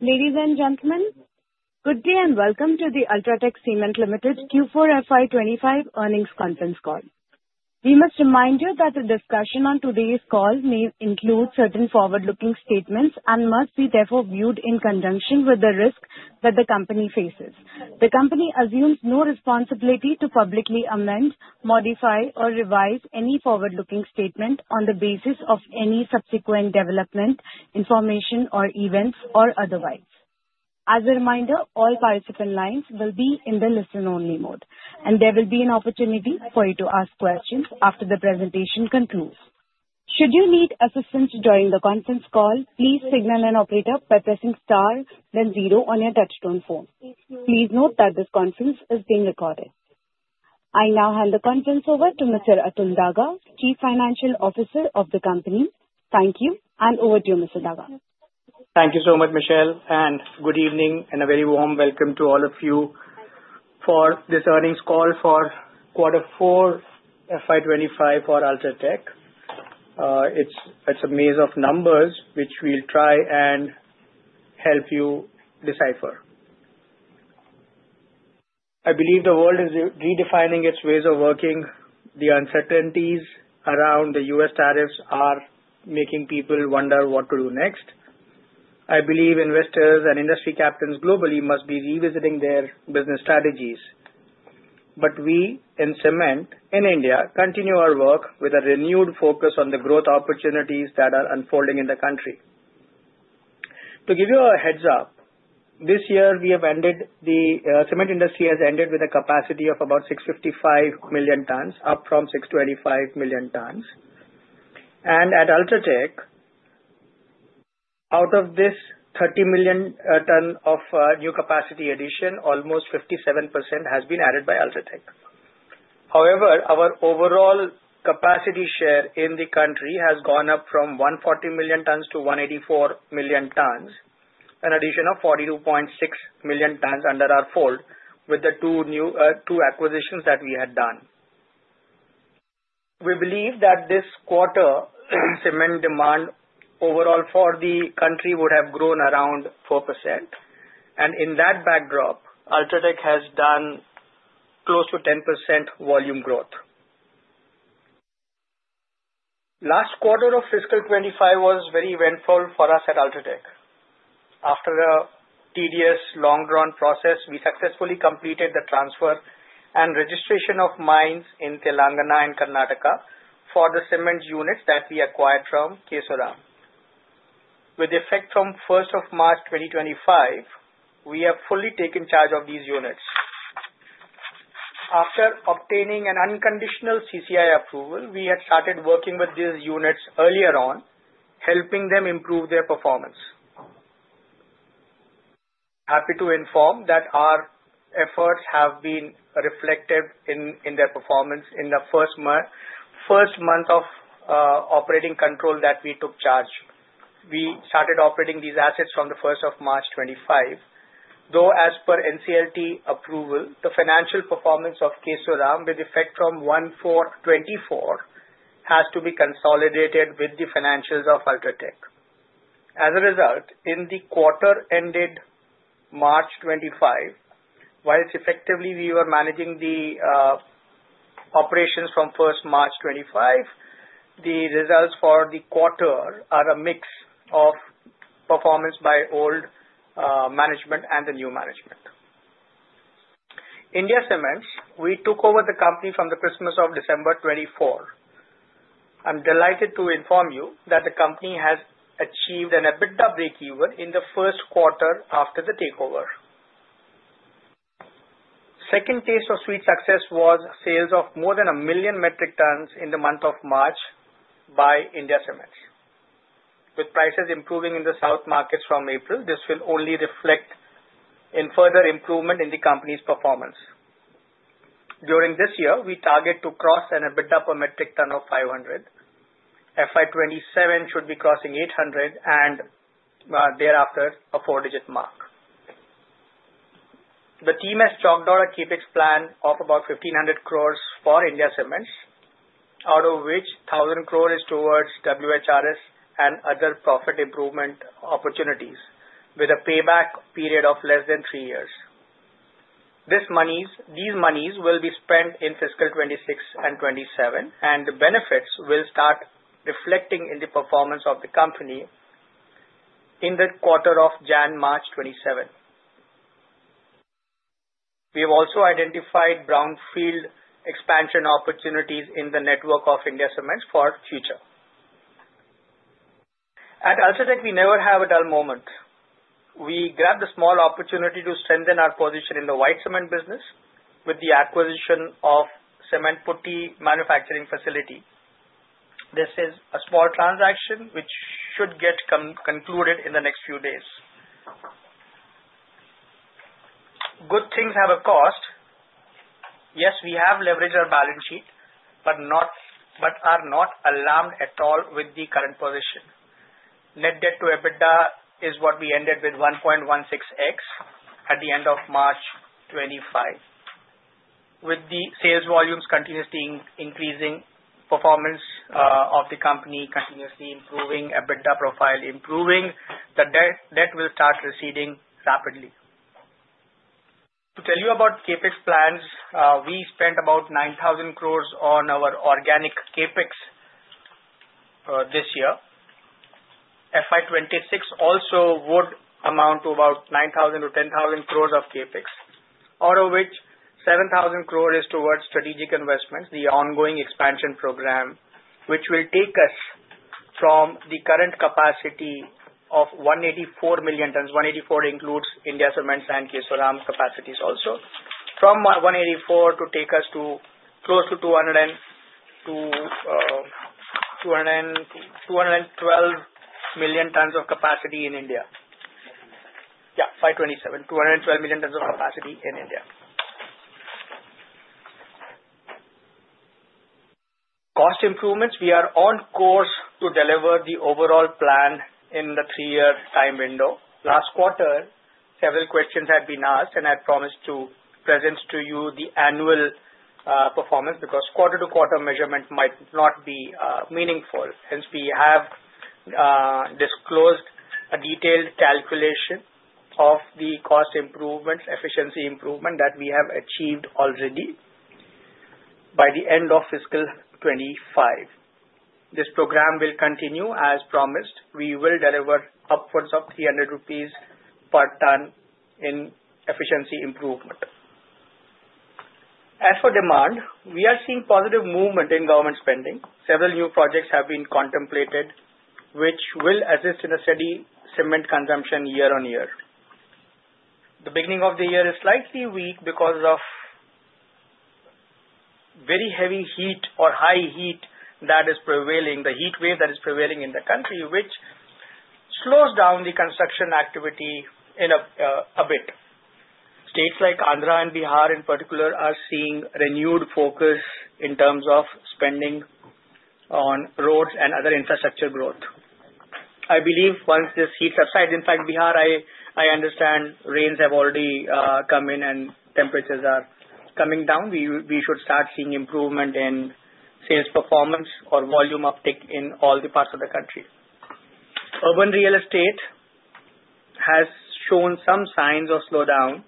Ladies and gentlemen, good day and welcome to the UltraTech Cement Q4 FY25 Earnings Conference Call. We must remind you that the discussion on today's call may include certain forward-looking statements and must be therefore viewed in conjunction with the risk that the company faces. The company assumes no responsibility to publicly amend, modify, or revise any forward-looking statement on the basis of any subsequent development, information, or events, or otherwise. As a reminder, all participant lines will be in the listen-only mode, and there will be an opportunity for you to ask questions after the presentation concludes. Should you need assistance during the conference call, please signal an operator by pressing star, then zero on your touchtone phone. Please note that this conference is being recorded. I now hand the conference over to Mr. Atul Daga, Chief Financial Officer of the company. Thank you, and over to you, Mr. Daga. Thank you so much, Michelle, and good evening and a very warm welcome to all of you for this earnings call for Q4 FY25 for UltraTech. It's a maze of numbers which we'll try and help you decipher. I believe the world is redefining its ways of working. The uncertainties around the U.S. tariffs are making people wonder what to do next. I believe investors and industry captains globally must be revisiting their business strategies. We in cement, in India, continue our work with a renewed focus on the growth opportunities that are unfolding in the country. To give you a heads-up, this year the cement industry has ended with a capacity of about 655 million tons, up from 625 million tons. At UltraTech, out of this 30 million ton of new capacity addition, almost 57% has been added by UltraTech. However, our overall capacity share in the country has gone up from 140 million tons to 184 million tons, an addition of 42.6 million tons under our fold with the two acquisitions that we had done. We believe that this quarter cement demand overall for the country would have grown around 4%. In that backdrop, UltraTech has done close to 10% volume growth. Last quarter of fiscal 2025 was very eventful for us at UltraTech. After a tedious, long-drawn process, we successfully completed the transfer and registration of mines in Telangana and Karnataka for the cement units that we acquired from Kesoram. With effect from 1st of March 2025, we have fully taken charge of these units. After obtaining an unconditional CCI approval, we had started working with these units earlier on, helping them improve their performance. Happy to inform that our efforts have been reflected in their performance in the first month of operating control that we took charge. We started operating these assets from the 1st of March 2025. Though, as per NCLT approval, the financial performance of Kesoram with effect from 1/4/2024 has to be consolidated with the financials of UltraTech. As a result, in the quarter ended March 2025, while effectively we were managing the operations from 1st March 2025, the results for the quarter are a mix of performance by old management and the new management. India Cements, we took over the company from the Christmas of December 2024. I'm delighted to inform you that the company has achieved an EBITDA break-even in the first quarter after the takeover. Second taste of sweet success was sales of more than a million metric tons in the month of March by India Cements. With prices improving in the south markets from April, this will only reflect in further improvement in the company's performance. During this year, we target to cross an EBITDA per metric ton of 500. FY 2027 should be crossing 800 and thereafter a four-digit mark. The team has chalked out a CapEx plan of about 1,500 crore for India Cements, out of which 1,000 crore is towards WHRS and other profit improvement opportunities with a payback period of less than three years. These monies will be spent in fiscal 2026 and 2027, and the benefits will start reflecting in the performance of the company in the quarter of January-March 2027. We have also identified brownfield expansion opportunities in the network of India Cements for future. At UltraTech, we never have a dull moment. We grabbed a small opportunity to strengthen our position in the white cement business with the acquisition of Cement Putty manufacturing facility. This is a small transaction which should get concluded in the next few days. Good things have a cost. Yes, we have leveraged our balance sheet, but are not alarmed at all with the current position. Net debt to EBITDA is what we ended with, 1.16x at the end of March 2025. With the sales volumes continuously increasing, performance of the company continuously improving, EBITDA profile improving, the debt will start receding rapidly. To tell you about CapEx plans, we spent about 9,000 crore on our organic CapEx this year. FY 2026 also would amount to about 9,000-10,000 crore of CapEx, out of which 7,000 crore is towards strategic investments, the ongoing expansion program, which will take us from the current capacity of 184 million tons. 184 includes India Cements and Kesoram capacities also. From 184 to take us to close to 212 million tons of capacity in India. Yeah, fiscal year 2027, 212 million tons of capacity in India. Cost improvements, we are on course to deliver the overall plan in the three-year time window. Last quarter, several questions had been asked, and I promised to present to you the annual performance because quarter-to-quarter measurement might not be meaningful. Hence, we have disclosed a detailed calculation of the cost improvements, efficiency improvement that we have achieved already by the end of fiscal 2025. This program will continue as promised. We will deliver upwards of 300 rupees per ton in efficiency improvement. As for demand, we are seeing positive movement in government spending. Several new projects have been contemplated, which will assist in a steady cement consumption year-on-year. The beginning of the year is slightly weak because of very heavy heat or high heat that is prevailing, the heat wave that is prevailing in the country, which slows down the construction activity a bit. States like Andhra Pradesh and Bihar, in particular, are seeing renewed focus in terms of spending on roads and other infrastructure growth. I believe once this heat subsides, in fact, Bihar, I understand rains have already come in and temperatures are coming down. We should start seeing improvement in sales performance or volume uptick in all the parts of the country. Urban real estate has shown some signs of slowdown,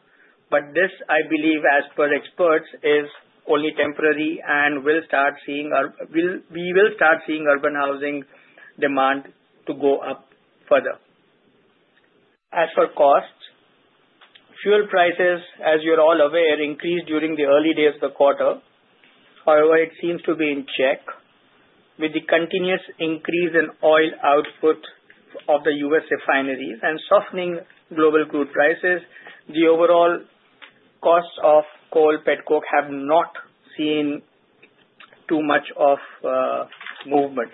but this, I believe, as per experts, is only temporary and we will start seeing urban housing demand to go up further. As for costs, fuel prices, as you're all aware, increased during the early days of the quarter. However, it seems to be in check with the continuous increase in oil output of the U.S. refineries and softening global crude prices. The overall cost of coal, petcoke have not seen too much of movement.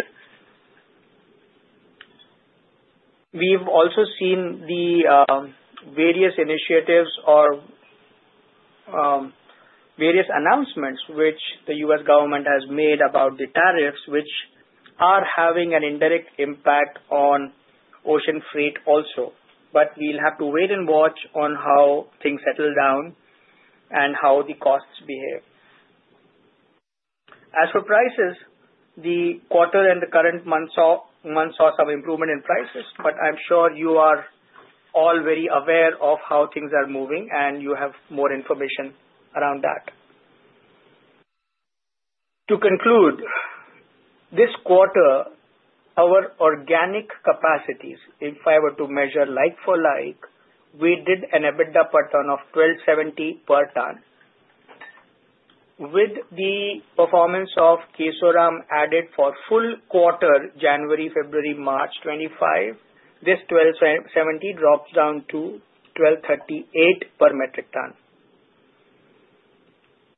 We've also seen the various initiatives or various announcements which the U.S. government has made about the tariffs, which are having an indirect impact on ocean freight also. We will have to wait and watch on how things settle down and how the costs behave. As for prices, the quarter and the current month saw some improvement in prices, but I'm sure you are all very aware of how things are moving and you have more information around that. To conclude, this quarter, our organic capacities, if I were to measure like for like, we did an EBITDA per ton of 1,270 per ton. With the performance of Kesoram added for full quarter, January, February, March 2025, this 1,270 drops down to 1,238 per metric ton.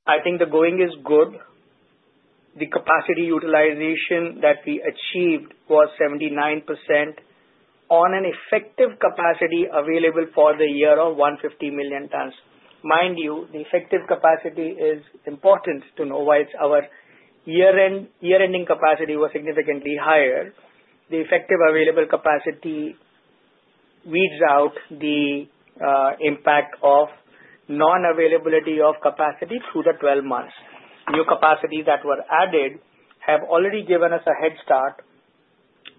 I think the going is good. The capacity utilization that we achieved was 79% on an effective capacity available for the year of 150 million tons. Mind you, the effective capacity is important to know why our year-ending capacity was significantly higher. The effective available capacity weeds out the impact of non-availability of capacity through the 12 months. New capacities that were added have already given us a head start.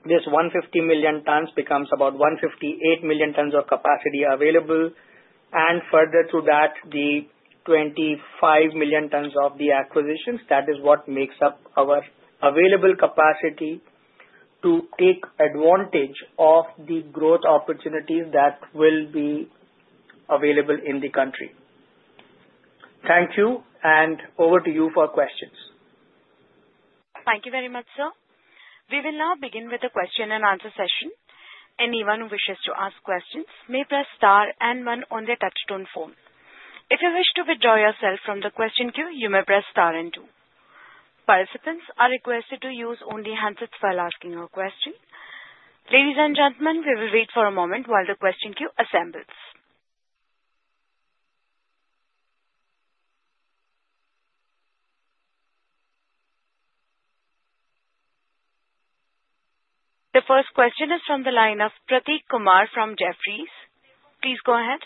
This 150 million tons becomes about 158 million tons of capacity available, and further to that, the 25 million tons of the acquisitions. That is what makes up our available capacity to take advantage of the growth opportunities that will be available in the country. Thank you, and over to you for questions. Thank you very much, sir. We will now begin with the question and answer session. Anyone who wishes to ask questions may press star and one on the touchstone phone. If you wish to withdraw yourself from the question queue, you may press star and two. Participants are requested to use only handsets while asking a question. Ladies and gentlemen, we will wait for a moment while the question queue assembles. The first question is from the line of Prateek Kumar from Jefferies. Please go ahead.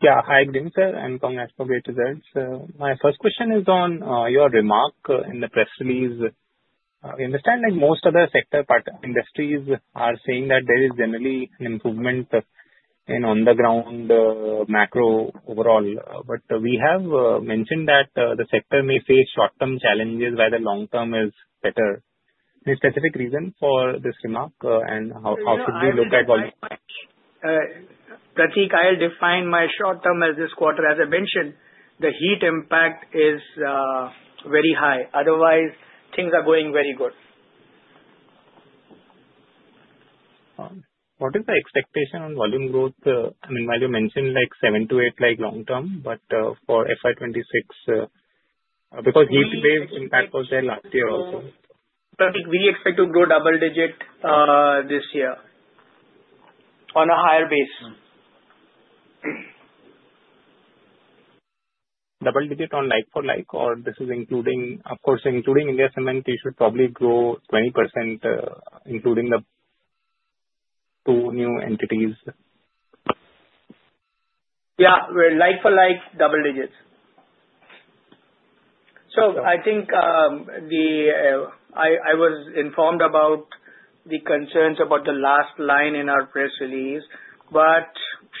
Yeah, hi Atul sir. I'm from Aspergate Results. My first question is on your remark in the press release. We understand most other sector industries are saying that there is generally an improvement in on-the-ground macro overall, but we have mentioned that the sector may face short-term challenges where the long-term is better. Any specific reason for this remark and how should we look at? Prateek, I'll define my short-term as this quarter. As I mentioned, the heat impact is very high. Otherwise, things are going very good. What is the expectation on volume growth? I mean, while you mentioned 7-8% long-term, but for FY 2026, because heat wave impact was there last year also. Prateek, we expect to grow double-digit this year on a higher base. Double-digit on like for like, or this is including, of course, including India Cements, you should probably grow 20% including the two new entities. Yeah, like for like, double digits. I think I was informed about the concerns about the last line in our press release, but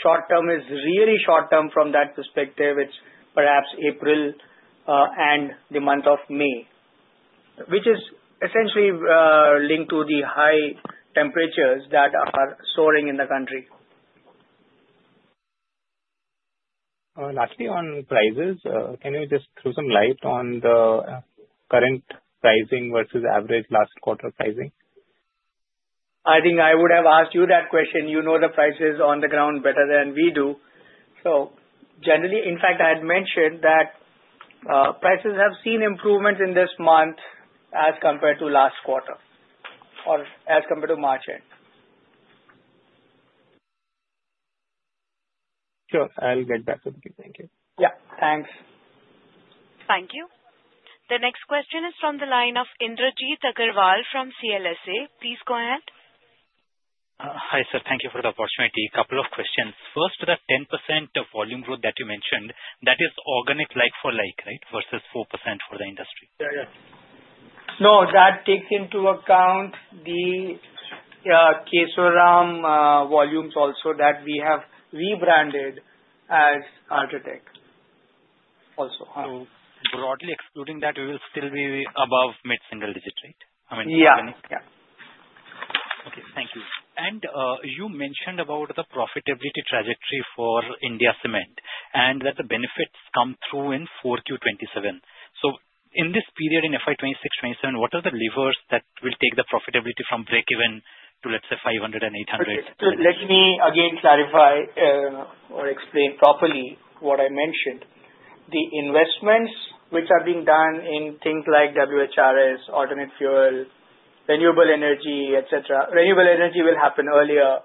short-term is really short-term from that perspective. It's perhaps April and the month of May, which is essentially linked to the high temperatures that are soaring in the country. Lastly on prices, can you just throw some light on the current pricing versus average last quarter pricing? I think I would have asked you that question. You know the prices on the ground better than we do. Generally, in fact, I had mentioned that prices have seen improvements in this month as compared to last quarter or as compared to March end. Sure, I'll get back to you. Thank you. Yeah, thanks. Thank you. The next question is from the line of Indrajit Agarwal from CLSA. Please go ahead. Hi sir, thank you for the opportunity. A couple of questions. First, the 10% volume growth that you mentioned, that is organic like for like, right, versus 4% for the industry? No, that takes into account the Kesoram volumes also that we have rebranded as UltraTech also. Broadly excluding that, we will still be above mid-single digit, right? I mean, organic. Yeah, yeah. Okay, thank you. You mentioned about the profitability trajectory for India Cements and that the benefits come through in Q4 2027. In this period in FY 2026, 2027, what are the levers that will take the profitability from break-even to, let's say, 500 and 800? Let me again clarify or explain properly what I mentioned. The investments which are being done in things like WHRS, alternate fuel, renewable energy, etc. Renewable energy will happen earlier.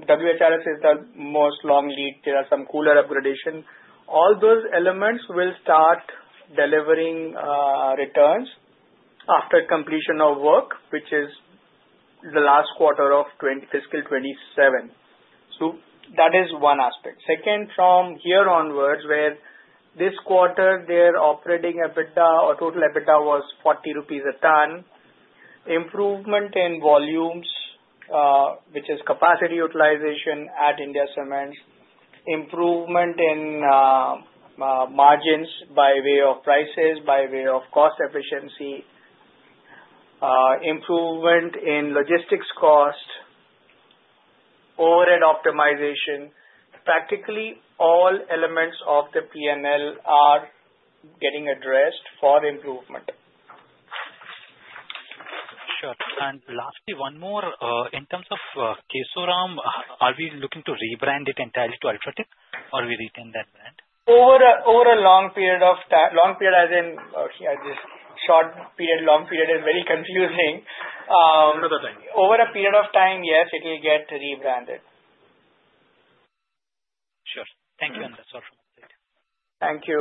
WHRS is the most long lead. There are some cooler upgradations. All those elements will start delivering returns after completion of work, which is the last quarter of fiscal 2027. That is one aspect. + Second, from here onwards, where this quarter their operating EBITDA or total EBITDA was 40 rupees a ton. Improvement in volumes, which is capacity utilization at India Cements. Improvement in margins by way of prices, by way of cost efficiency. Improvement in logistics cost, overhead optimization. Practically all elements of the P&L are getting addressed for improvement. Sure. Lastly, one more. In terms of Kesoram, are we looking to rebrand it entirely to UltraTech or will we retain that brand? Over a long period of time. Long period as in short period, long period is very confusing. Another time. Over a period of time, yes, it will get rebranded. Sure. Thank you, and that's all from me. Thank you.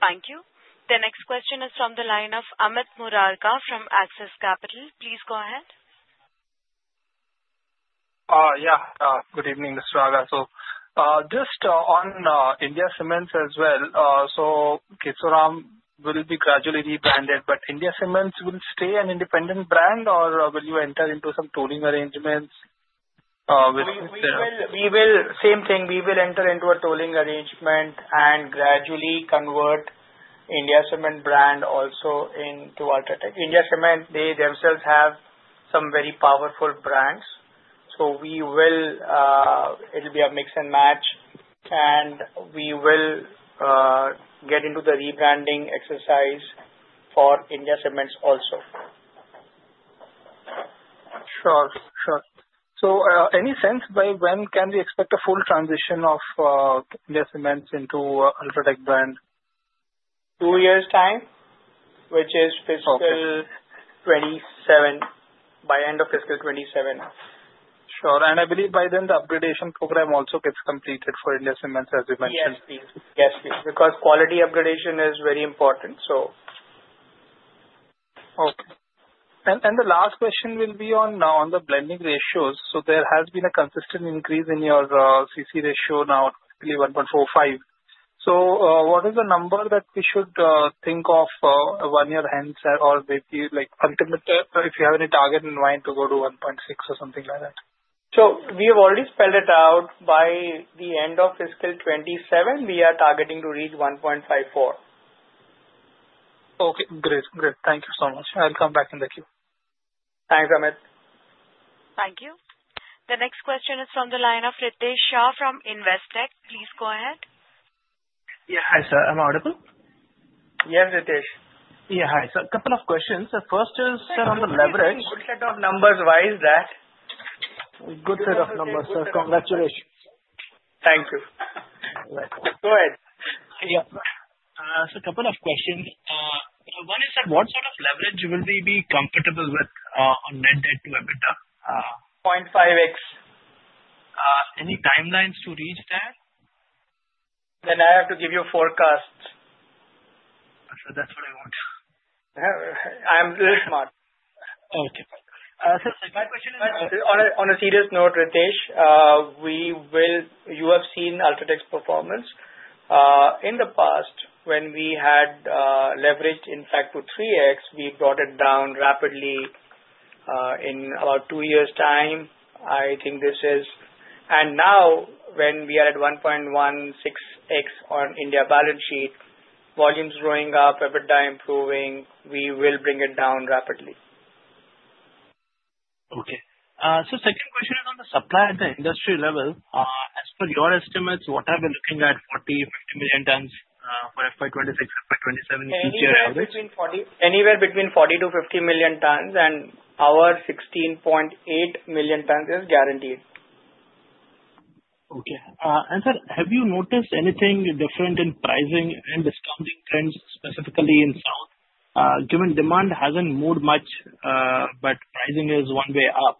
Thank you. The next question is from the line of Amit Murarka from Axis Capital. Please go ahead. Yeah, good evening, Mr. Raghav. Just on India Cements as well, Kesoram will be gradually rebranded, but India Cements will stay an independent brand or will you enter into some tolling arrangements with India? Same thing. We will enter into a tolling arrangement and gradually convert India Cements brand also into UltraTech. India Cements, they themselves have some very powerful brands. It will be a mix and match, and we will get into the rebranding exercise for India Cements also. Sure, sure. Any sense by when can we expect a full transition of India Cements into UltraTech brand? Two years' time, which is fiscal 2027, by end of fiscal 2027. Sure. I believe by then the upgradation program also gets completed for India Cements, as you mentioned. Yes, yes, because quality upgradation is very important. Okay. The last question will be on the blending ratios. There has been a consistent increase in your CC ratio now, currently 1.45. What is the number that we should think of one year ahead or maybe if you have any target in mind to go to 1.6 or something like that? We have already spelled it out. By the end of fiscal 2027, we are targeting to reach 1.54. Okay, great. Great. Thank you so much. I'll come back in the queue. Thanks, Amit. Thank you. The next question is from the line of Ritesh Shah from Investec. Please go ahead. Yeah, hi sir. Am I audible? Yes, Ritesh. Yeah, hi sir. A couple of questions. The first is, sir, on the leverage. Good set of numbers wise, that. Good set of numbers, sir. Congratulations. Thank you. Go ahead. Yeah, a couple of questions. One is, sir, what sort of leverage will we be comfortable with on net debt to EBITDA? 0.5x. Any timelines to reach that? I have to give you forecasts. That's what I want. I'm a little smart. Okay. My question is, on a serious note, Ritesh, you have seen UltraTech's performance. In the past, when we had leveraged in fact to 3x, we brought it down rapidly in about two years' time. I think this is, and now when we are at 1.16x on India balance sheet, volume's growing up, EBITDA improving, we will bring it down rapidly. Okay. Second question is on the supply at the industry level. As per your estimates, what are we looking at, 40-50 million tons for FY 2026, FY 2027 each year average? Anywhere between 40 to 50 million tons, and our 16.8 million tons is guaranteed. Okay. Sir, have you noticed anything different in pricing and discounting trends, specifically in South? Given demand has not moved much, but pricing is one way up.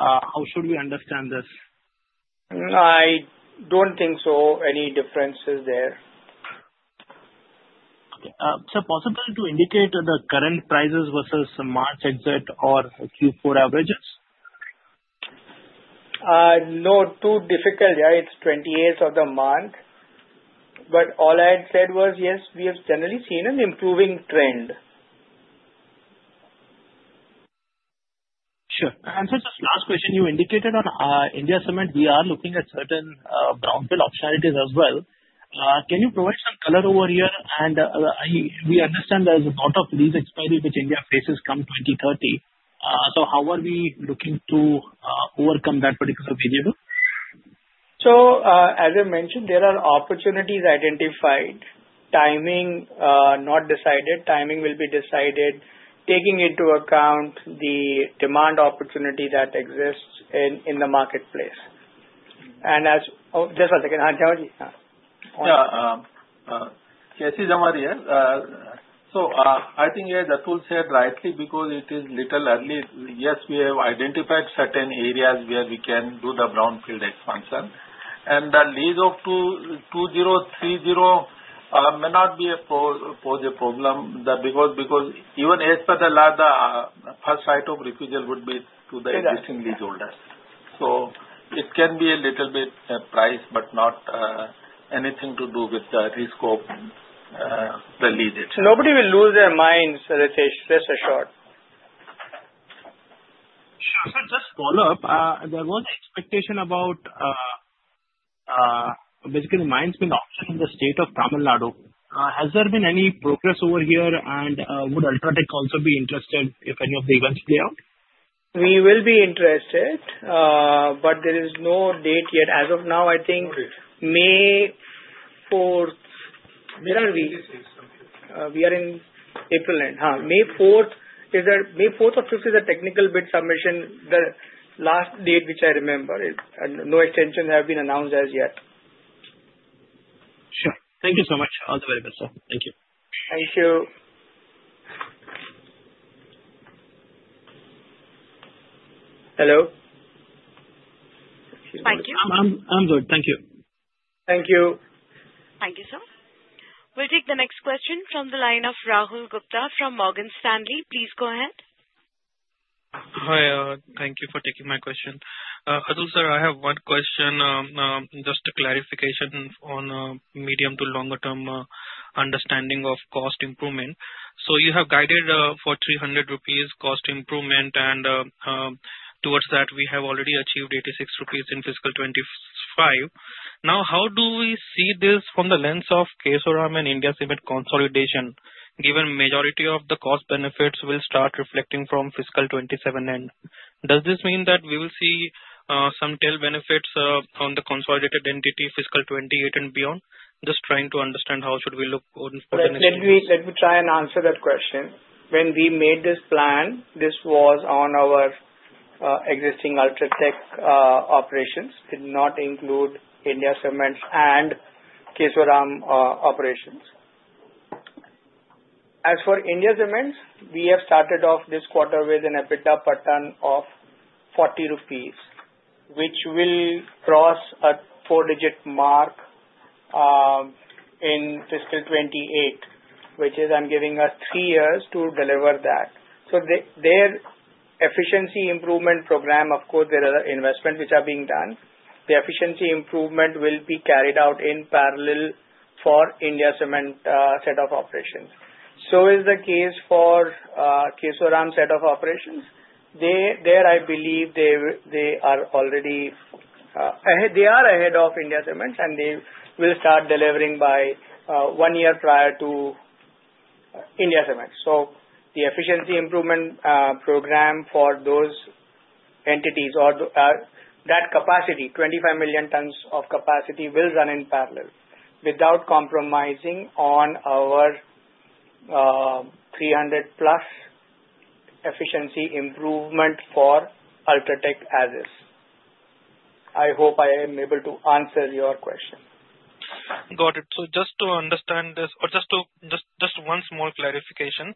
How should we understand this? I don't think so. Any differences there? Okay. Sir, possible to indicate the current prices versus March exit or Q4 averages? No, too difficult. Yeah, it's 28th of the month. All I had said was, yes, we have generally seen an improving trend. Sure. Sir, just last question. You indicated on India Cements, we are looking at certain brownfield optionalities as well. Can you provide some color over here? We understand there's a lot of lease expiry which India faces come 2030. How are we looking to overcome that particular variable? As I mentioned, there are opportunities identified. Timing not decided. Timing will be decided, taking into account the demand opportunity that exists in the marketplace. Just one second. Yes, it's aware. I think, yeah, Atul said rightly because it is little early. Yes, we have identified certain areas where we can do the brownfield expansion. The lease of 2030 may not pose a problem because even as per the first right of refusal, it would be to the existing lease holders. It can be a little bit priced, but not anything to do with the risk of the lease itself. Nobody will lose their minds, Ritesh, rest assured. Sure. Just follow up. There was an expectation about basically mines being auctioned in the state of Tamil Nadu. Has there been any progress over here, and would UltraTech also be interested if any of the events play out? We will be interested, but there is no date yet. As of now, I think May 4. When are we? We are in April end. May 4 or 5 is a technical bid submission, the last date which I remember. No extensions have been announced as yet. Sure. Thank you so much. All the very best, sir. Thank you. Thank you. Hello? Thank you. I'm good. Thank you. Thank you. Thank you, sir. We'll take the next question from the line of Rahul Gupta from Morgan Stanley. Please go ahead. Hi. Thank you for taking my question. Atul, sir, I have one question, just a clarification on medium to longer-term understanding of cost improvement. You have guided for 300 rupees cost improvement, and towards that, we have already achieved 86 rupees in fiscal 2025. Now, how do we see this from the lens of Kesoram and India Cements consolidation, given majority of the cost benefits will start reflecting from fiscal 2027 end? Does this mean that we will see some tail benefits on the consolidated entity fiscal 2028 and beyond? Just trying to understand how should we look for the next step. Let me try and answer that question. When we made this plan, this was on our existing UltraTech operations. It did not include India Cements and Kesoram operations. As for India Cements, we have started off this quarter with an EBITDA per ton of 40 rupees, which will cross a four-digit mark in fiscal 2028, which is giving us three years to deliver that. Their efficiency improvement program, of course, there are investments which are being done. The efficiency improvement will be carried out in parallel for India Cements set of operations. The same is the case for Kesoram set of operations. There, I believe they are already ahead of India Cements, and they will start delivering by one year prior to India Cements. The efficiency improvement program for those entities or that capacity, 25 million tons of capacity, will run in parallel without compromising on our 300-plus efficiency improvement for UltraTech as is. I hope I am able to answer your question. Got it. Just to understand this or just one small clarification.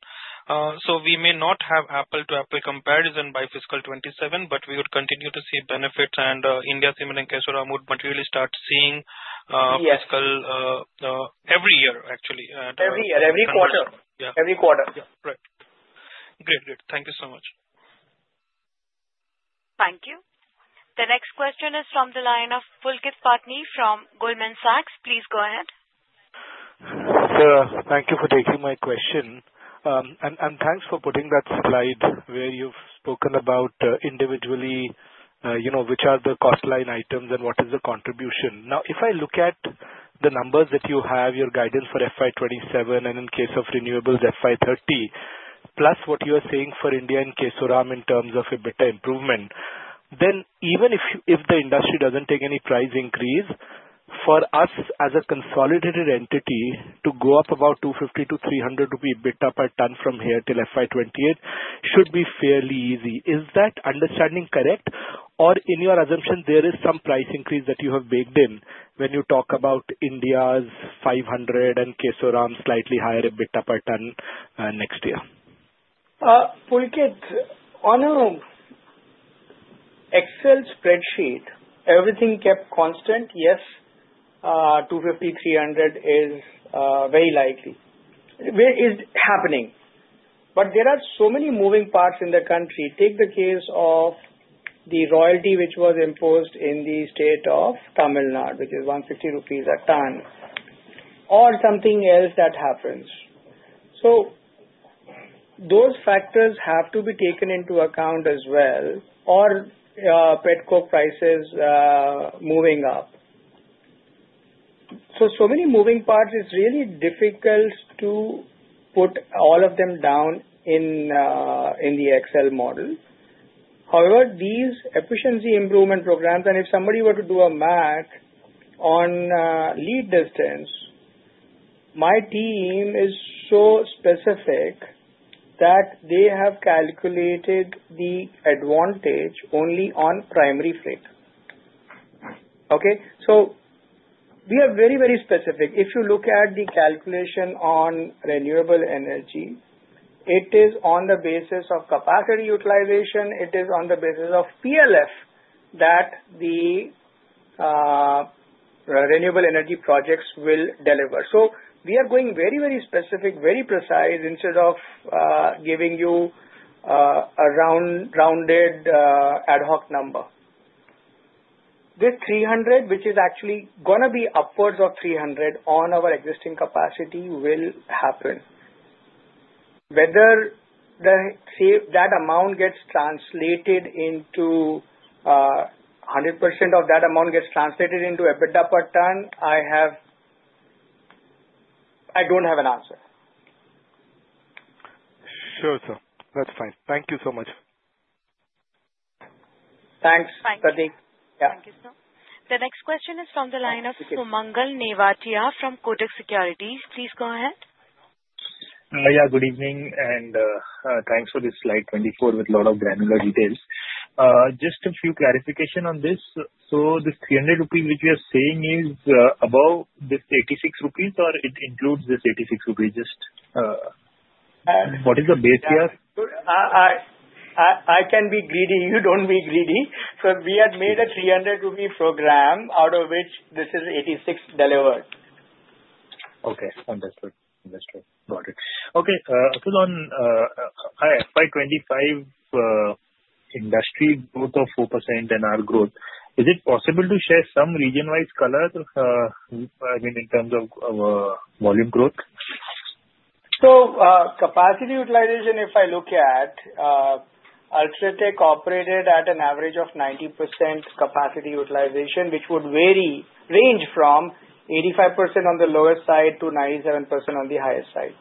We may not have apple-to-apple comparison by fiscal 2027, but we would continue to see benefits and India Cements and Kesoram would materially start seeing every year, actually. Every year. Every quarter. Yeah. Right. Great, great. Thank you so much. Thank you. The next question is from the line of Pulkit Patni from Goldman Sachs. Please go ahead. Thank you for taking my question. Thanks for putting that slide where you've spoken about individually which are the cost line items and what is the contribution. Now, if I look at the numbers that you have, your guidance for FY 2027 and in case of renewables, FY 2030, plus what you are saying for India and Kesoram in terms of EBITDA improvement, then even if the industry does not take any price increase, for us as a consolidated entity to go up about 250-300 rupees EBITDA per ton from here till FY 2028 should be fairly easy. Is that understanding correct? In your assumption, is there some price increase that you have baked in when you talk about India's 500 and Kesoram slightly higher EBITDA per ton next year? Pulkit, on an Excel spreadsheet, everything kept constant, yes, 250, 300 is very likely. It is happening. There are so many moving parts in the country. Take the case of the royalty which was imposed in the state of Tamil Nadu, which is 150 rupees a ton, or something else that happens. Those factors have to be taken into account as well, or petcoke prices moving up. So many moving parts. It's really difficult to put all of them down in the Excel model. However, these efficiency improvement programs, and if somebody were to do a math on lead distance, my team is so specific that they have calculated the advantage only on primary freight. Okay? We are very, very specific. If you look at the calculation on renewable energy, it is on the basis of capacity utilization. It is on the basis of PLF that the renewable energy projects will deliver. We are going very, very specific, very precise instead of giving you a rounded ad hoc number. The 300, which is actually going to be upwards of 300 on our existing capacity, will happen. Whether that amount gets translated into 100% of that amount gets translated into EBITDA per ton, I do not have an answer. Sure, sir. That's fine. Thank you so much. Thanks, Prateek. Yeah. Thank you, sir. The next question is from the line of Sumangal Nevatia from Kotak Securities. Please go ahead. Yeah, good evening, and thanks for this slide 24 with a lot of granular details. Just a few clarifications on this. This 300 rupees which we are seeing, is it above this 86 rupees, or does it include this 86 rupees? Just what is the base here? I can be greedy. You do not be greedy. We have made an 300 rupee program out of which this is 86 delivered. Okay. Understood. Understood. Got it. Okay. Hi, FY25 industry growth of 4% and our growth. Is it possible to share some region-wise colors, I mean, in terms of volume growth? Capacity utilization, if I look at, UltraTech operated at an average of 90% capacity utilization, which would range from 85% on the lower side to 97% on the higher side.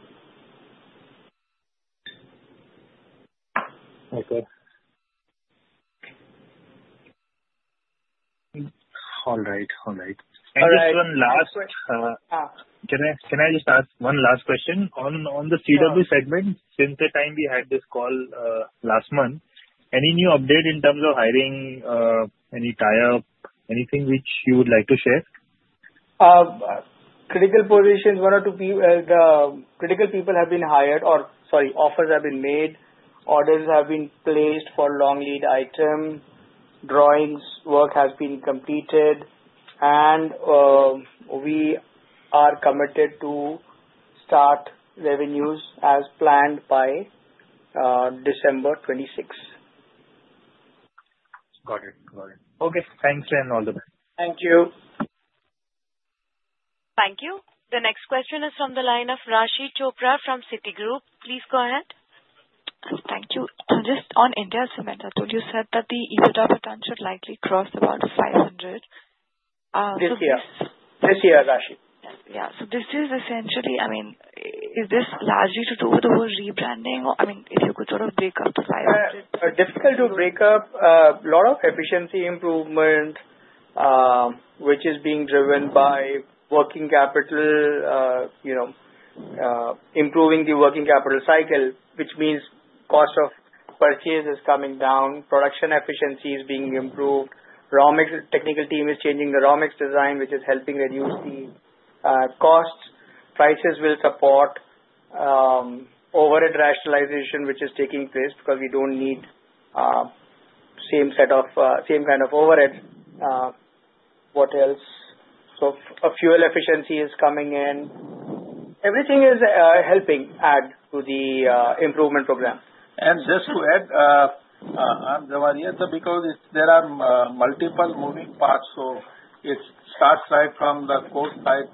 Okay. All right. All right. Just one last. Sorry. Can I just ask one last question? On the CW segment, since the time we had this call last month, any new update in terms of hiring, any tie-up, anything which you would like to share? Critical positions, one or two critical people have been hired, or sorry, offers have been made, orders have been placed for long lead item, drawings work has been completed, and we are committed to start revenues as planned by December 2026. Got it. Got it. Okay. Thanks, and all the best. Thank you. Thank you. The next question is from the line of Rashi Chopra from Citi Group. Please go ahead. Thank you. Just on India Cements, I thought you said that the EBITDA per ton should likely cross about 500. This year. This year, Rashi. Yeah. This is essentially, I mean, is this largely to do with the whole rebranding? I mean, if you could sort of break up the five options. Difficult to break up. A lot of efficiency improvement, which is being driven by working capital, improving the working capital cycle, which means cost of purchase is coming down, production efficiency is being improved. Raw mix technical team is changing the raw mix design, which is helping reduce the cost. Prices will support overhead rationalization, which is taking place because we do not need same set of same kind of overhead. What else? Fuel efficiency is coming in. Everything is helping add to the improvement program. Just to add, I'm the one here, so because there are multiple moving parts, it starts right from the cost side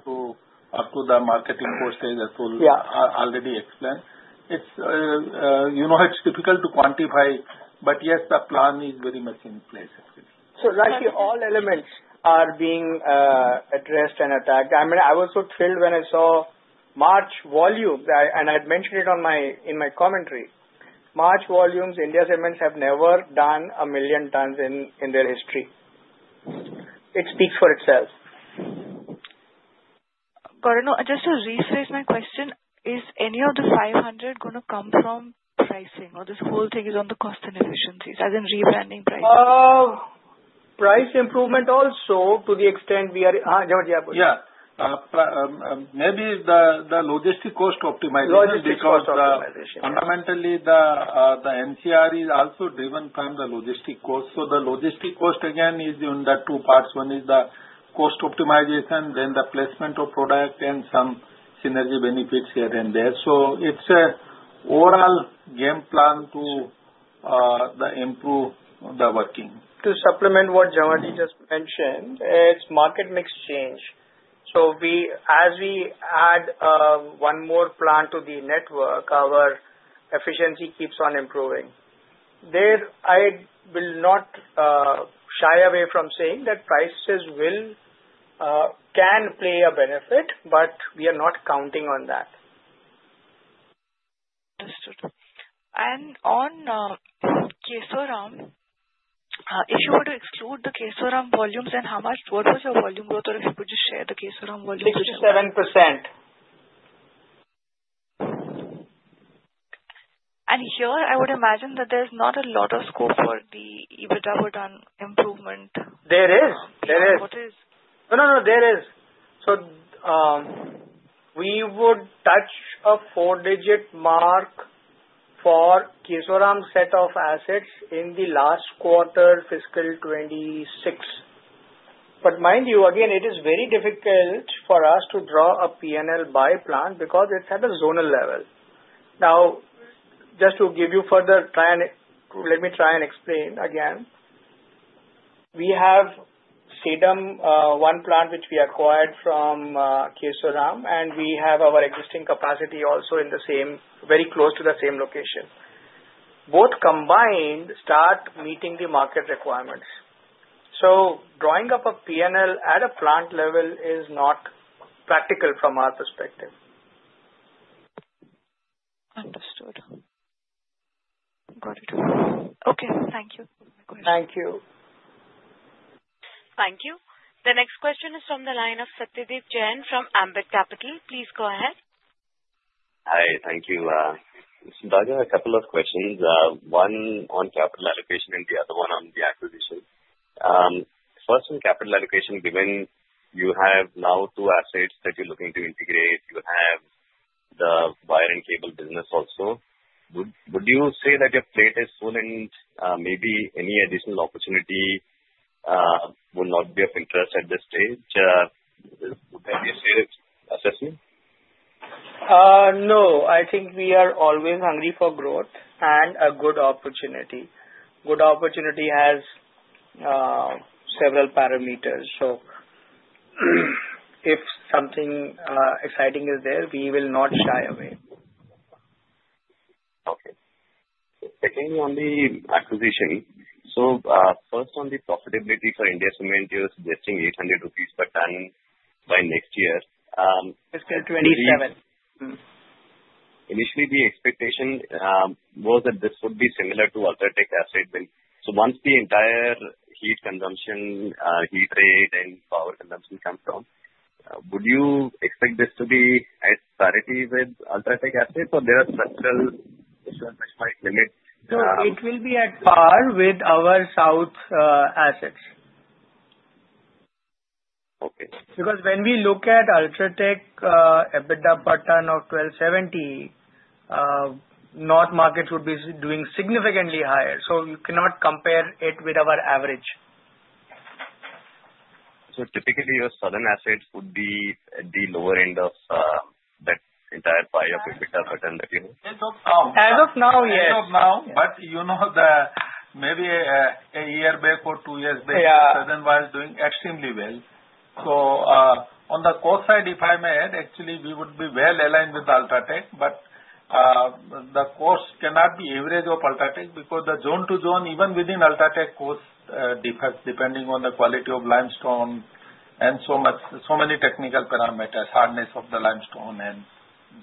up to the marketing cost stage that we've already explained. You know it's difficult to quantify, but yes, the plan is very much in place. Rashi, all elements are being addressed and attacked. I mean, I was so thrilled when I saw March volumes, and I had mentioned it in my commentary. March volumes, India Cements have never done a million tons in their history. It speaks for itself. Got it. Just to rephrase my question, is any of the 500 going to come from pricing, or this whole thing is on the cost and efficiencies, as in rebranding pricing? Price improvement also to the extent we are, Jhanwar, I apologize. Yeah. Maybe the logistic cost optimization. Logistic cost optimization. Fundamentally, the MCR is also driven from the logistic cost. The logistic cost, again, is in two parts. One is the cost optimization, then the placement of product, and some synergy benefits here and there. It is an overall game plan to improve the working. To supplement what Jhanwar just mentioned, it's market mix change. As we add one more plant to the network, our efficiency keeps on improving. There, I will not shy away from saying that prices can play a benefit, but we are not counting on that. Understood. On Kesoram, if you were to exclude the Kesoram volumes, how much, what was your volume growth, or if you could just share the Kesoram volumes? 67%. I would imagine that there's not a lot of scope for the EBITDA per ton improvement. There is. What is? No, no, no. There is. We would touch a four-digit mark for Kesoram set of assets in the last quarter fiscal 2026. Mind you, again, it is very difficult for us to draw a P&L by plant because it is at a zonal level. Now, just to give you further—let me try and explain again. We have Sedam One Plant, which we acquired from Kesoram, and we have our existing capacity also in the same—very close to the same location. Both combined start meeting the market requirements. Drawing up a P&L at a plant level is not practical from our perspective. Understood. Got it. Okay. Thank you for my question. Thank you. Thank you. The next question is from the line of Satyadeep Jain from Ambit Capital. Please go ahead. Hi. Thank you. Satyadeep, a couple of questions. One on capital allocation and the other one on the acquisition. First, on capital allocation, given you have now two assets that you're looking to integrate, you have the wire and cable business also, would you say that your plate is full and maybe any additional opportunity would not be of interest at this stage? Would that be a fair assessment? No. I think we are always hungry for growth and a good opportunity. Good opportunity has several parameters. If something exciting is there, we will not shy away. Okay. Again, on the acquisition, so first, on the profitability for India Cements, you're suggesting 800 rupees per ton by next year. Fiscal 27. Initially, the expectation was that this would be similar to UltraTech assets. Once the entire heat consumption, heat rate, and power consumption comes from, would you expect this to be at parity with UltraTech assets, or are there structural issues which might limit? No, it will be at par with our South assets. Okay. Because when we look at UltraTech, EBITDA per ton of 1,270, north market would be doing significantly higher. You cannot compare it with our average. Typically, your southern assets would be at the lower end of that entire pie of EBITDA per ton that you have? As of now, yes. As of now, maybe a year back or two years back, the southern was doing extremely well. On the cost side, if I may add, actually, we would be well aligned with UltraTech, but the cost cannot be average of UltraTech because zone to zone, even within UltraTech, cost differs depending on the quality of limestone and so many technical parameters, hardness of the limestone, and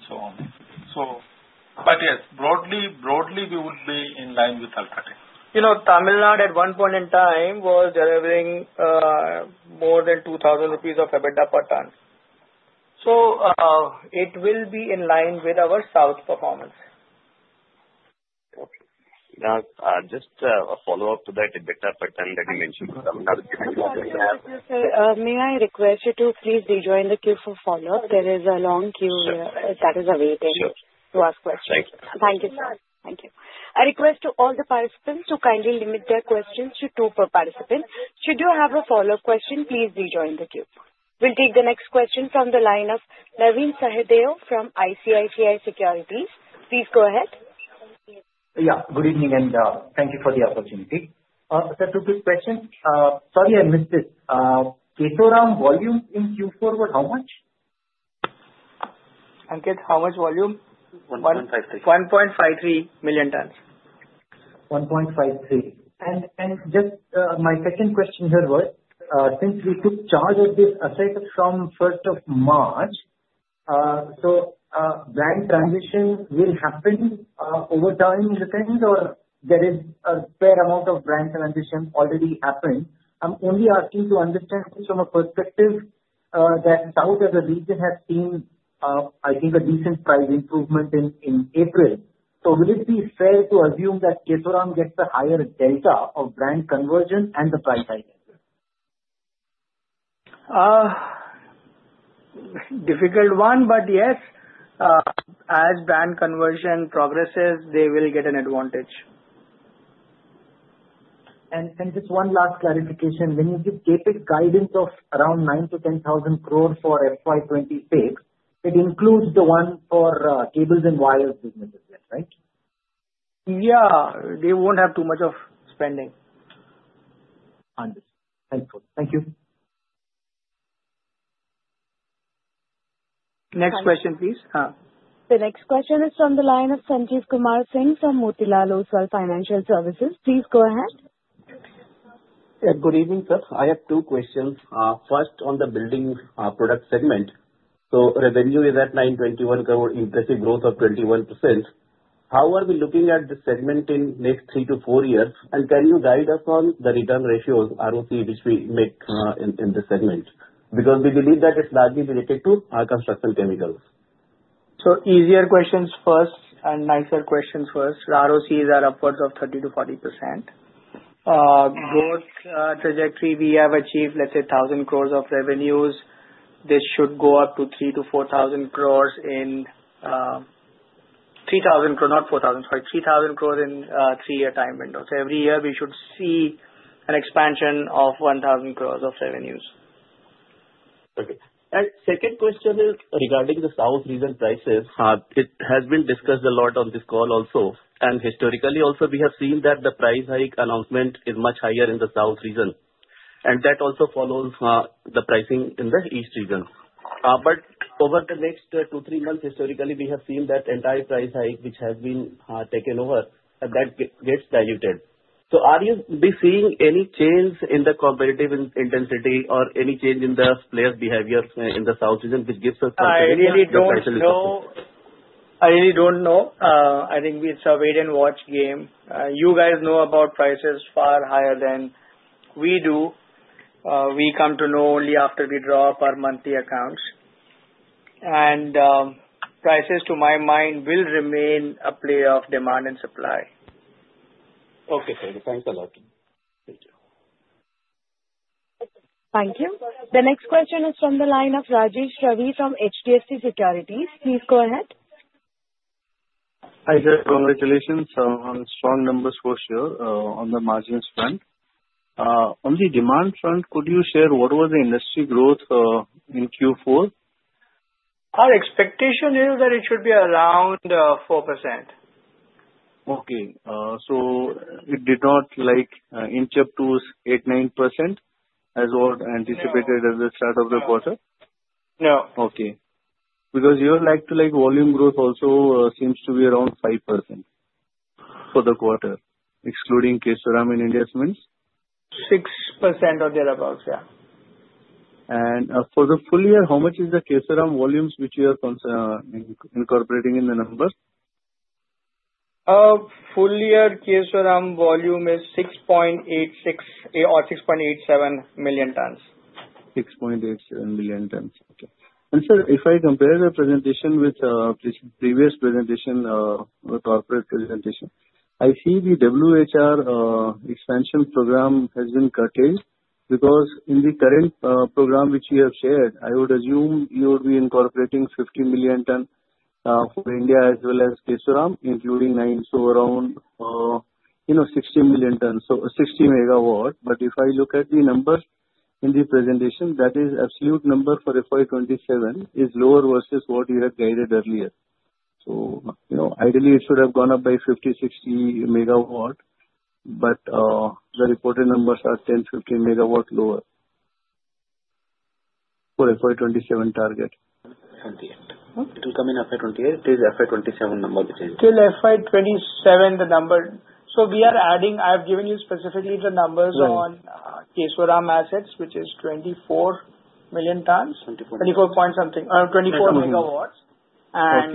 so on. Yes, broadly, we would be in line with UltraTech. Tamil Nadu, at one point in time, was delivering more than 2,000 rupees of EBITDA per ton. It will be in line with our south performance. Okay. Just a follow-up to that EBITDA per ton that you mentioned. May I request you to please rejoin the queue for follow-up? There is a long queue that is awaiting to ask questions. Sure. Thank you. Thank you, sir. Thank you. I request all the participants to kindly limit their questions to two per participant. Should you have a follow-up question, please rejoin the queue. We will take the next question from the line of Sahadeo from ICICI Securities. Please go ahead. Yeah. Good evening, and thank you for the opportunity. Just a quick question. Sorry, I missed this. Kesoram volume in Q4 was how much? Ankit, how much volume? 1.53. 1.53 million tons. Just my second question here was, since we took charge of this asset from 1 March, will brand transition happen over time in the tender, or is there a fair amount of brand transition already happened? I'm only asking to understand from a perspective that South as a region has seen, I think, a decent price improvement in April. Will it be fair to assume that Kesoram gets a higher delta of brand conversion and the price item? Difficult one, but yes. As brand conversion progresses, they will get an advantage. Just one last clarification. When you give CapEx guidance of around 9,000-10,000 crore for FY 2026, it includes the one for cables and wires businesses, right? Yeah. They won't have too much of spending. Understood. Thank you. Next question, please. The next question is from the line of Sanjeev Kumar Singh from Motilal Oswal Financial Services. Please go ahead. Good evening, sir. I have two questions. First, on the building product segment. Revenue is at 921 crore, impressive growth of 21%. How are we looking at the segment in the next three to four years, and can you guide us on the return ratios, ROC, which we make in the segment? Because we believe that it's largely related to construction chemicals. Easier questions first and nicer questions first. ROCs are upwards of 30-40%. Growth trajectory, we have achieved, let's say, 1,000 crore of revenues. This should go up to 3,000 crore in three-year time windows. Every year, we should see an expansion of 1,000 crore of revenues. Okay. Second question is regarding the south region prices. It has been discussed a lot on this call also. Historically, also, we have seen that the price hike announcement is much higher in the south region. That also follows the pricing in the east region. Over the next two to three months, historically, we have seen that entire price hike, which has been taken over, gets diluted. Are you seeing any change in the competitive intensity or any change in the players' behavior in the south region, which gives us some financial insight? I really don't know. I think it's a wait-and-watch game. You guys know about prices far higher than we do. We come to know only after we draw up our monthly accounts. Prices, to my mind, will remain a play of demand and supply. Okay. Thanks a lot. Thank you. Thank you. The next question is from the line of Rajesh Ravi from HDFC Securities. Please go ahead. Hi there. Congratulations on strong numbers for sure on the margins front. On the demand front, could you share what was the industry growth in Q4? Our expectation is that it should be around 4%. Okay. It did not inch up to 8-9% as anticipated at the start of the quarter? No. Okay. Because you're likely to, like, volume growth also seems to be around 5% for the quarter, excluding Kesoram and India Cements? 6% or thereabouts, yeah. For the full year, how much is the Kesoram volumes which you are incorporating in the number? Full year Kesoram volume is 6.86 or 6.87 million tons. 6.87 million tons. Okay. Sir, if I compare the presentation with the previous presentation, the corporate presentation, I see the WHR expansion program has been curtailed because in the current program which you have shared, I would assume you would be incorporating 50 million tons for India as well as Kesoram, including 9, so around 16 million tons, so 60 megawatts. If I look at the numbers in the presentation, that is an absolute number for FY 2027 is lower versus what you have guided earlier. Ideally, it should have gone up by 50-60 megawatts, but the reported numbers are 10-15 megawatts lower for FY 2027 target. It will come in FY 2028. It is FY 2027 number which is. Still FY 2027 the number. We are adding, I've given you specifically the numbers on Kesoram assets, which is 24 million tons, 24 point something, 24 megawatts. And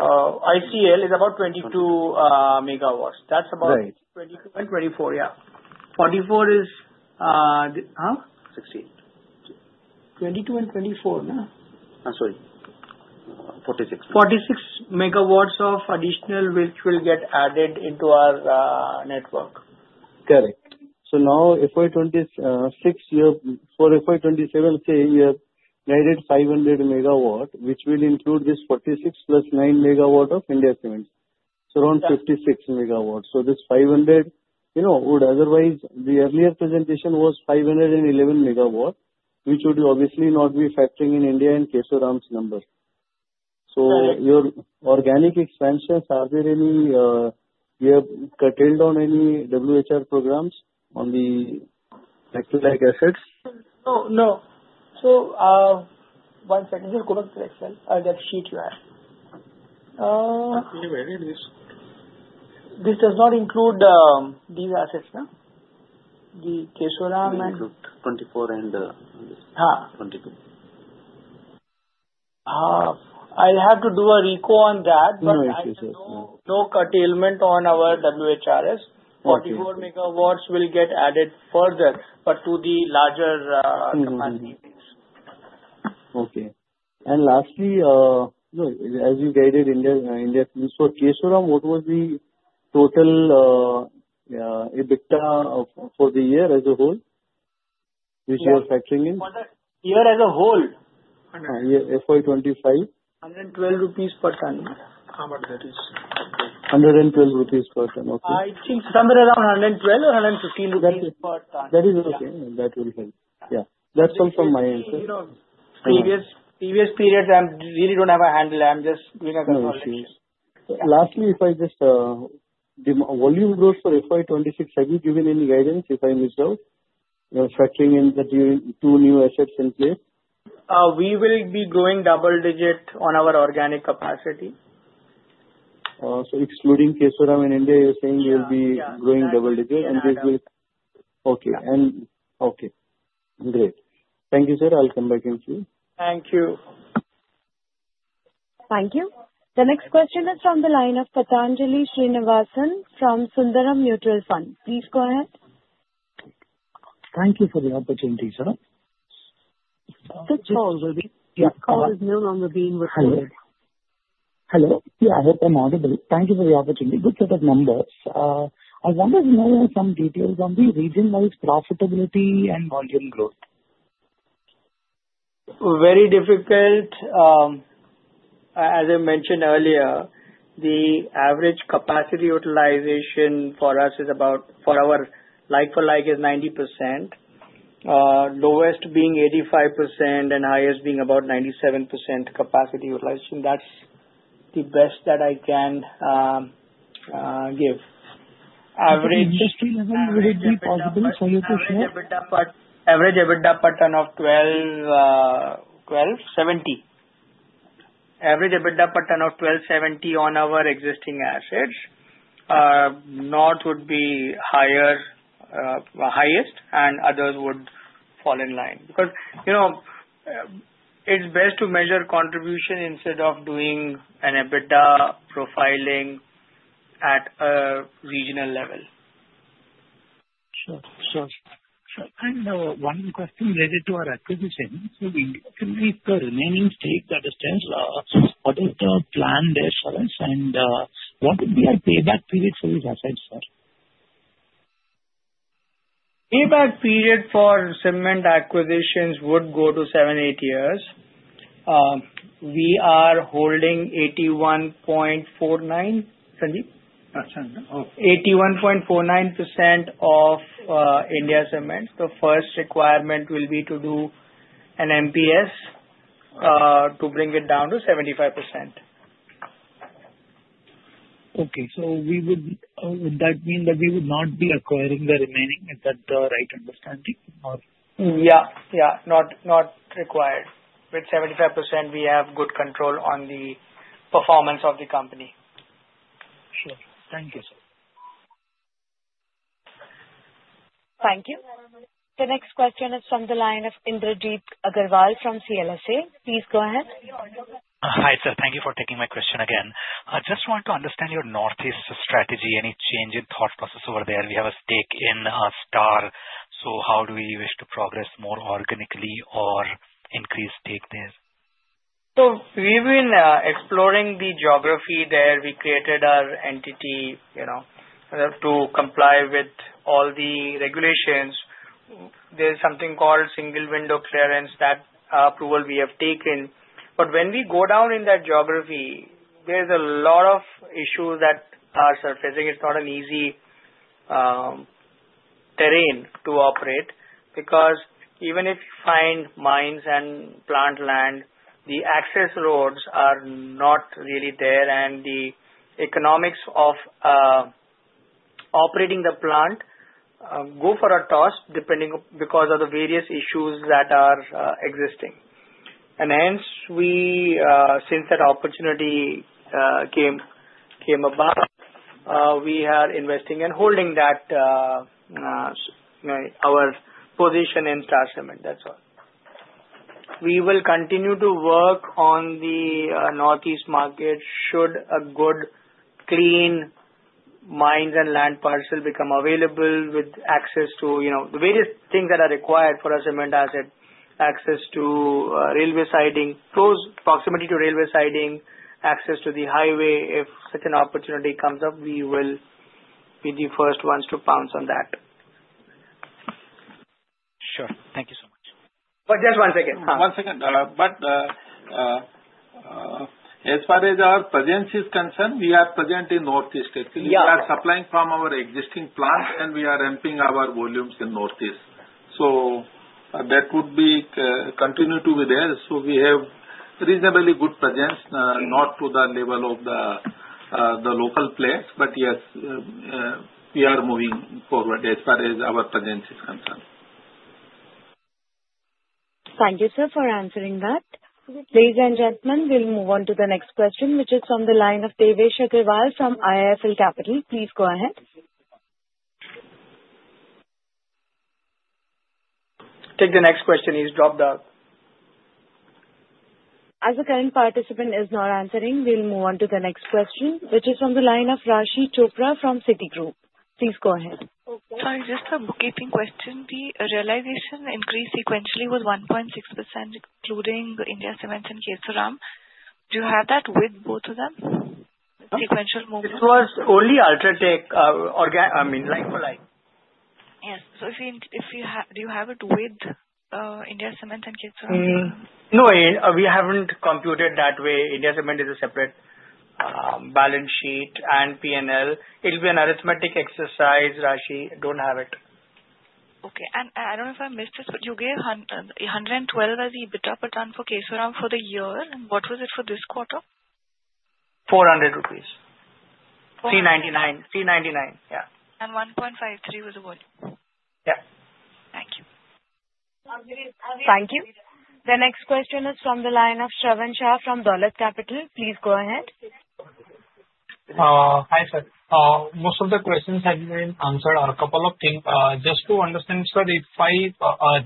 ICL is about 22 megawatts. That's about 22 and 24, yeah. 44 is huh? 16. 22 and 24, no? I'm sorry. Forty-six. Forty-six megawatts of additional which will get added into our network. Correct. Now, FY 2026, for FY 2027, you have guided 500 megawatts, which will include this 46 plus 9 megawatts of India Cements, so around 56 megawatts. This 500 would otherwise, the earlier presentation was 511 megawatts, which would obviously not be factoring in India and Kesoram's number. Your organic expansions, are there any you have curtailed on any WHR programs on the electrolyte assets? No. No. One second. Just go back to the Excel. That sheet you have. Actually, where is this? This does not include these assets, no? The Kesoram and. 24 and 22. I'll have to do a reco on that, but I know no curtailment on our WHRS. Forty-four megawatts will get added further, but to the larger capacity. Okay. Lastly, as you guided India Cements, for Kesoram, what was the total EBITDA for the year as a whole? Which you are factoring in? Year as a whole? Yeah. FY 25. 112 per ton. How much that is? 112 per ton. Okay. I think somewhere around 112 or 115 rupees per ton. That is okay. That will help. Yeah. That's all from my end. Previous periods, I really don't have a handle. I'm just doing a consultation. Lastly, if I just volume growth for FY 2026, have you given any guidance if I missed out? You're factoring in that you have two new assets in place. We will be growing double digit on our organic capacity. Excluding Kesoram in India, you're saying you'll be growing double digit and this will. Yeah. Okay. Great. Thank you, sir. I'll come back and see. Thank you. Thank you. The next question is from the line of Patanjali Srinivasan from Sundaram Mutual Fund. Please go ahead. Thank you for the opportunity, sir. Good to see you. Yeah. Call is new on the beam recorder. Hello. Yeah. I hope I'm audible. Thank you for the opportunity. Good set of numbers. I wanted to know some details on the region-wide profitability and volume growth. Very difficult. As I mentioned earlier, the average capacity utilization for us is about, for our like-for-like, is 90%, lowest being 85% and highest being about 97% capacity utilization. That's the best that I can give. Average. Industry level, would it be possible for you to share? Average EBITDA per ton of 1,270. Average EBITDA per ton of 1,270 on our existing assets. North would be highest, and others would fall in line. Because it's best to measure contribution instead of doing an EBITDA profiling at a regional level. Sure. Sure. Sure. One question related to our acquisition. If the remaining stake that stands, what is the plan there for us? What would be our payback period for these assets, sir? Payback period for cement acquisitions would go to seven, eight years. We are holding 81.49, Sanjeev? 81.49. 81.49% of India Cements. The first requirement will be to do an MPS to bring it down to 75%. Okay. Would that mean that we would not be acquiring the remaining? Is that the right understanding or? Yeah. Yeah. Not required. With 75%, we have good control on the performance of the company. Sure. Thank you, sir. Thank you. The next question is from the line of Indrajit Agarwal from CLSA. Please go ahead. Hi, sir. Thank you for taking my question again. I just want to understand your northeast strategy. Any change in thought process over there? We have a stake in STAR. How do we wish to progress more organically or increase stake there? We have been exploring the geography there. We created our entity to comply with all the regulations. There is something called single window clearance. That approval we have taken. When we go down in that geography, there are a lot of issues that are surfacing. It is not an easy terrain to operate because even if you find mines and plant land, the access roads are not really there, and the economics of operating the plant go for a toss because of the various issues that are existing. Hence, since that opportunity came about, we are investing and holding our position in STAR Cement. That is all. We will continue to work on the northeast market should a good, clean mines and land parcel become available with access to the various things that are required for a cement asset, access to railway siding, close proximity to railway siding, access to the highway. If such an opportunity comes up, we will be the first ones to pounce on that. Sure. Thank you so much. Just one second. One second. As far as our presence is concerned, we are present in Northeast India. We are supplying from our existing plants, and we are amping our volumes in Northeast India. That would continue to be there. We have reasonably good presence, not to the level of the local players, but yes, we are moving forward as far as our presence is concerned. Thank you, sir, for answering that. Ladies and gentlemen, we'll move on to the next question, which is from the line of Devesh Agarwal from IIFL Capital. Please go ahead. Take the next question. He's dropped out. As the current participant is not answering, we'll move on to the next question, which is from the line of Rashi Chopra from Citi Group. Please go ahead. Sorry. Just a bookkeeping question. The realization increase sequentially was 1.6%, including India Cements and Kesoram. Do you have that with both of them? Sequential movement. It was only UltraTech, I mean, like-for-like. Yes. Do you have it with India Cements and Kesoram? No. We haven't computed that way. India Cements is a separate balance sheet and P&L. It'll be an arithmetic exercise, Rashi. Don't have it. Okay. I don't know if I missed this, but you gave 112 as the EBITDA per ton for Kesoram for the year. What was it for this quarter? 399. Yeah. The volume was 1.53. Yeah. Thank you. Thank you. The next question is from the line of Shravanshah from Dolat Capital. Please go ahead. Hi, sir. Most of the questions have been answered. A couple of things. Just to understand, sir, if I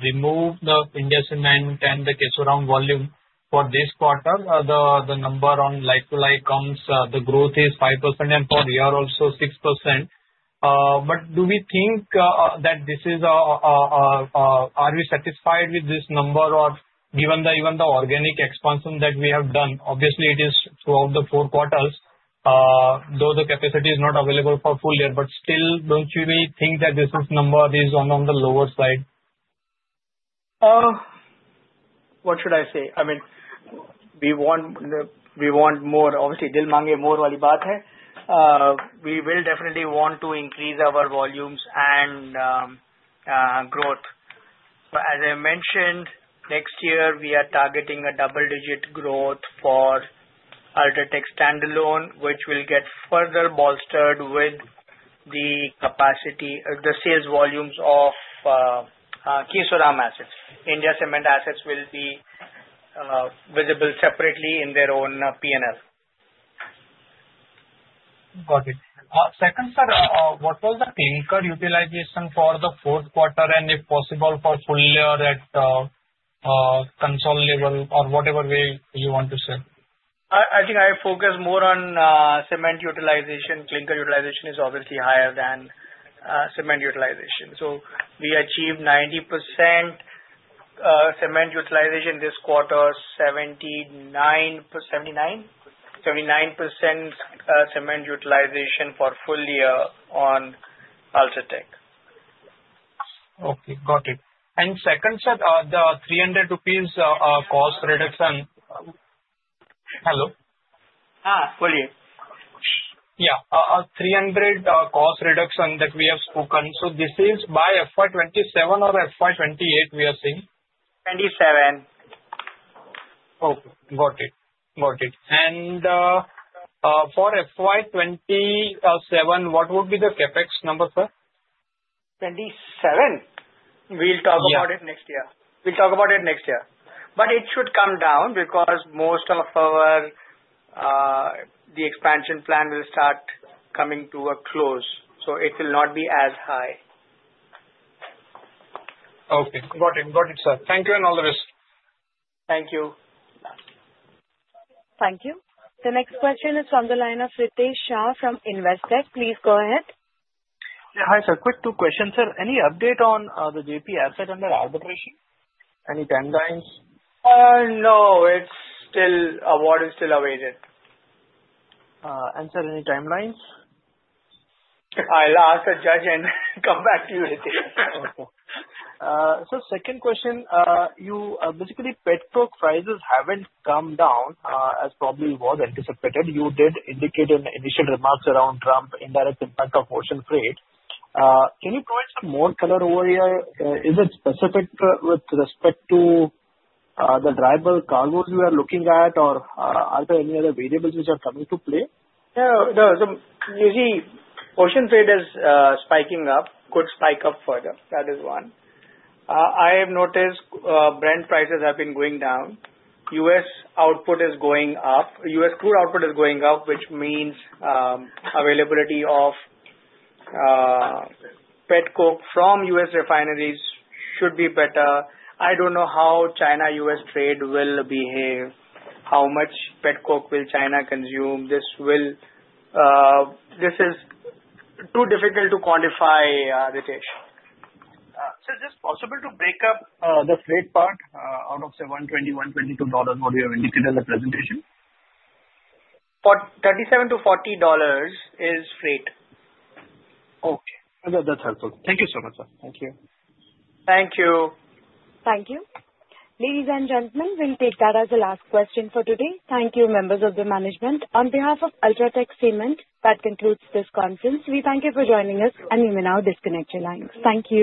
remove the India Cements and the Kesoram volume for this quarter, the number on like-for-like comes, the growth is 5%, and for year also 6%. Do we think that this is, are we satisfied with this number or given even the organic expansion that we have done? Obviously, it is throughout the four quarters, though the capacity is not available for full year, but still, do not you really think that this number is on the lower side? What should I say? I mean, we want more. Obviously, Dil Maange more वाली बात है. We will definitely want to increase our volumes and growth. As I mentioned, next year, we are targeting a double-digit growth for UltraTech standalone, which will get further bolstered with the sales volumes of Kesoram assets. India Cements assets will be visible separately in their own P&L. Got it. Second, sir, what was the clinical utilization for the fourth quarter and if possible for full year at consolidable or whatever way you want to say? I think I focus more on cement utilization. Clinical utilization is obviously higher than cement utilization. We achieved 90% cement utilization this quarter, 79% cement utilization for full year on UltraTech. Okay. Got it. Second, sir, the 300 rupees cost reduction. Hello? Ha. Boli? Yeah. 300 cost reduction that we have spoken. This is by FY 2027 or FY 2028 we are seeing? 27. Okay. Got it. Got it. For FY 2027, what would be the CapEx number, sir? Twenty-seven? We'll talk about it next year. We'll talk about it next year. It should come down because most of our expansion plan will start coming to a close. It will not be as high. Okay. Got it. Got it, sir. Thank you and all the best. Thank you. Thank you. The next question is from the line of Ritesh Shah from Invest Tech. Please go ahead. Yeah. Hi, sir. Quick two questions, sir. Any update on the JP asset under arbitration? Any timelines? No. The award is still awaited. Sir, any timelines? I'll ask the judge and come back to you, Ritesh. Okay. Second question, basically, petcoke prices have not come down as probably was anticipated. You did indicate in initial remarks around Trump, indirect impact of ocean freight. Can you provide some more color over here? Is it specific with respect to the dry bulk cargoes we are looking at, or are there any other variables which are coming to play? No. No. You see, ocean freight is spiking up. Could spike up further. That is one. I have noticed brand prices have been going down. U.S. output is going up. U.S. crude output is going up, which means availability of petcoke from U.S. refineries should be better. I do not know how China-U.S. trade will behave. How much petcoke will China consume? This is too difficult to quantify, Hritesh. Sir, is it possible to break up the freight part out of, say, $120, $122, what you have indicated in the presentation? $37-$40 is freight. Okay. That's helpful. Thank you so much, sir. Thank you. Thank you. Thank you. Ladies and gentlemen, we'll take that as the last question for today. Thank you, members of the management. On behalf of UltraTech Cement, that concludes this conference. We thank you for joining us, and you may now disconnect your lines. Thank you.